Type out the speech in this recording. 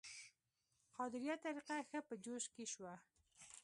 قادریه طریقه ښه په جوش کې شوه.